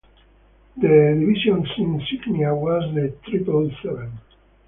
The division's insignia was the "triple-seven".